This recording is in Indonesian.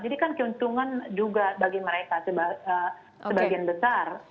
jadi kan keuntungan juga bagi mereka sebagian besar